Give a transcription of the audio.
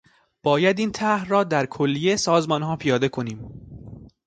باید این طرح را در کلیهٔ سازمانها پیاده کنیم.